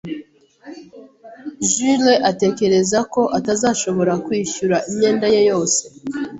Julie atekereza ko atazashobora kwishyura imyenda ye yose.